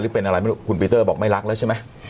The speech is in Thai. เป็นอะไรไม่รู้คุณปีเตอร์บอกไม่รักแล้วใช่ไหม